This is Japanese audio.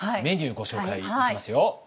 メニューご紹介いきますよ！